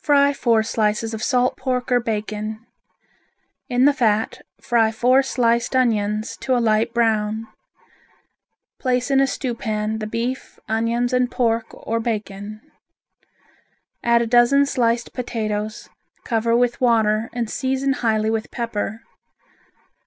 Fry four slices of salt pork or bacon. In the fat fry four sliced onions a light brown. Place in a stewpan the beef, onions and pork or bacon. Add a dozen sliced potatoes, cover with water and season highly with pepper.